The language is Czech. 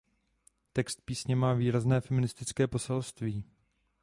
Text písně má výrazné feministické poselství.